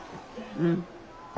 うん。